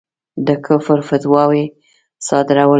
د کُفر فتواوې صادرولې.